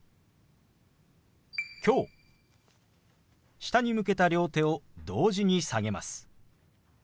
下に向けた両手を同時に下げます。